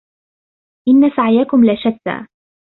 إن سعيكم لشتى